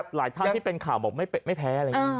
หลายท่านที่เป็นข่าวบอกไม่แพ้